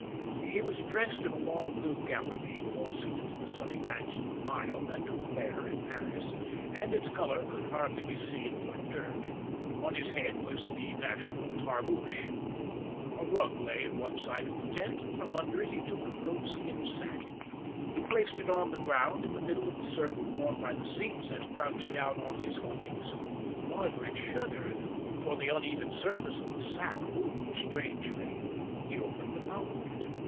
He was dressed in a long blue gabardine, more suited to the sunny banks of the Nile than to a fair in Paris, and its colour could hardly be seen for dirt. On his head was the national tarboosh. A rug lay at one side of the tent, and from under it he took a goatskin sack. He placed it on the ground in the middle of the circle formed by the seats and crouched down on his haunches. Margaret shuddered, for the uneven surface of the sack moved strangely. He opened the mouth of it.